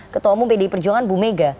ketua umu bdi perjuangan bu mega